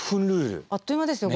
あっという間ですよ